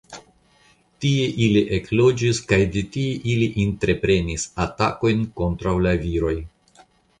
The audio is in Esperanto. Tie ili ekloĝis kaj de tie ili entreprenis atakoj kontraŭ la viroj.